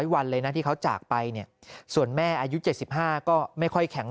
วันเลยนะที่เขาจากไปเนี่ยส่วนแม่อายุ๗๕ก็ไม่ค่อยแข็ง